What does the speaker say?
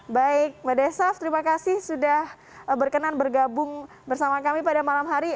baik mbak desaf terima kasih sudah berkenan bergabung bersama kami pada malam hari